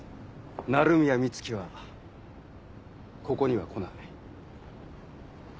鳴宮美月はここには来ない